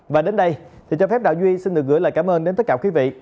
và đến đây thì cho phép đạo duy xin được gửi lời cảm ơn đến tất cả quý vị